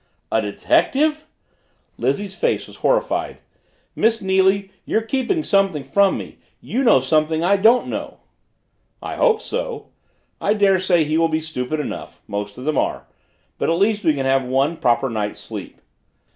"A detective?" Lizzie's face was horrified. "Miss Neily, you're keeping something from me! You know something I don't know." "I hope so. I daresay he will be stupid enough. Most of them are. But at least we can have one proper night's sleep."